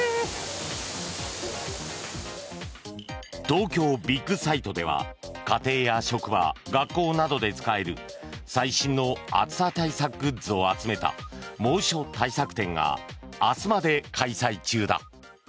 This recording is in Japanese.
東京ビッグサイトでは家庭や職場、学校などで使える最新の暑さ対策グッズを集めた猛暑対策展が明日まで開催中だ。